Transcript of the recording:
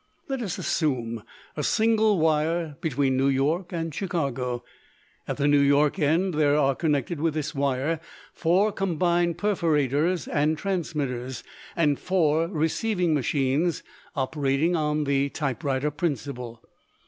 Let us assume a single wire between New York and Chicago. At the New York end there are connected with this wire four combined perforators and transmitters, and four receiving machines operating on the typewriter principle.